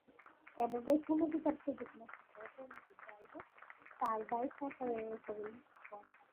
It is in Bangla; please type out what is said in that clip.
এভাবে সমঝোতার সুযোগ নষ্ট করার পরিণতি যা-ই হোক, তার দায় সরকারের ওপরই বর্তাবে।